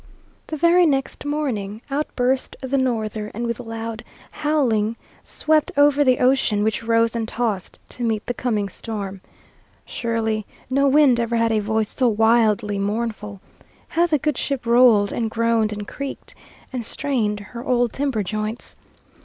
The very next morning out burst the norther, and with loud howling swept over the ocean, which rose and tossed to meet the coming storm. Surely no wind ever had a voice so wildly mournful. How the good ship rolled, and groaned, and creaked, and strained her old timber joints!